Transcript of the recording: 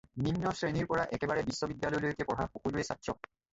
নিম্ন শ্ৰেণীৰ পৰা একেবাৰে বিশ্ববিদ্যালয়লৈকে পঢ়া সকলোৱেই ছাত্ৰ।